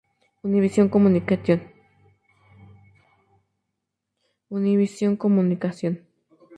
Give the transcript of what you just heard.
Univision Communication